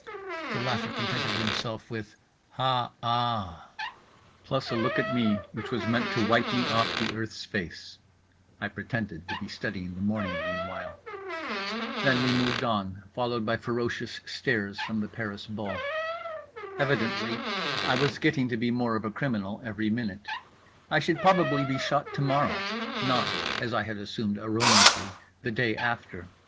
The latter contented himself with "Ha aaa"—plus a look at me which was meant to wipe me off the earth's face (I pretended to be studying the morning meanwhile). Then we moved on, followed by ferocious stares from the Paris bull. Evidently I was getting to be more of a criminal every minute; I should probably be shot to morrow, not (as I had assumed erroneously) the day after.